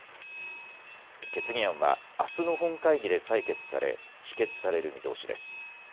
決議案はあすの本会議で採決され否決される見通しです。